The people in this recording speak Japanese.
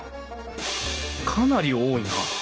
かなり多いな！